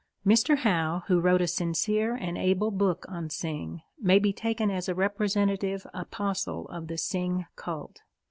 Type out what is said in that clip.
Mr. Howe, who wrote a sincere and able book on Synge, may be taken as a representative apostle of the Synge cult.